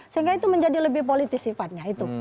sehingga itu menjadi lebih politis sifatnya itu